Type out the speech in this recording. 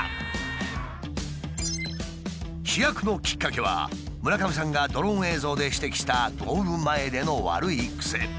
飛躍のきっかけは村上さんがドローン映像で指摘したゴール前での悪い癖。